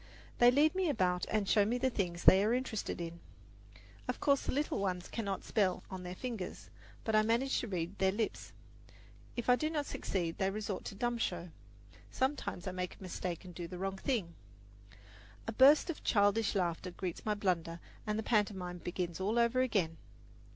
They lead me about and show me the things they are interested in. Of course the little ones cannot spell on their fingers; but I manage to read their lips. If I do not succeed they resort to dumb show. Sometimes I make a mistake and do the wrong thing. A burst of childish laughter greets my blunder, and the pantomime begins all over again.